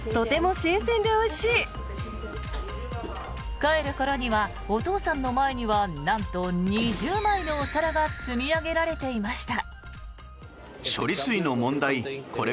帰る頃には、お父さんの前にはなんと２０枚のお皿が積み上げられていました。